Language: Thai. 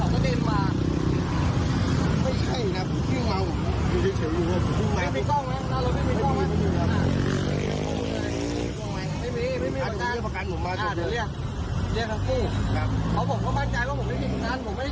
กระเด็นมาหาพี่